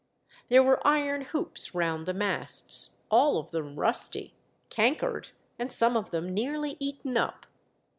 There were iron hoops round the masts, all of them rusty, cankered, and some of them nearly eaten up.